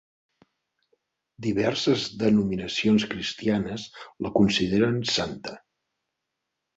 Diverses denominacions cristianes la consideren santa.